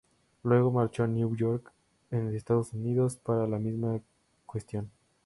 Luego, marchó a Nueva York, en Estados Unidos, para la misma cuestión.